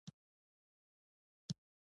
هیواد مې د بڼو د تور سیوري په شان ګران دی